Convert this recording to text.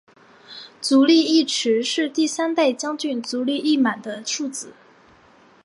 足利义持是第三代将军足利义满的庶子。